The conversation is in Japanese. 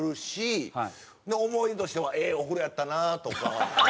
で思い出としてはええお風呂やったなとか。